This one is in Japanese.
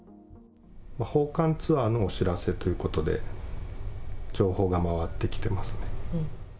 訪韓ツアーのお知らせということで、情報が回ってきてますね。